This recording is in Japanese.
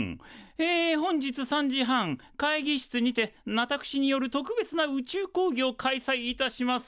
え本日３時半会議室にてわたくしによる特別な宇宙講義を開催いたします。